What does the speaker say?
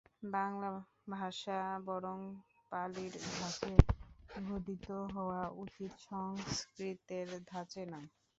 বাঙলা ভাষা বরং পালির ধাঁচে গঠিত হওয়া উচিত, সংস্কৃতের ধাঁচে নয়।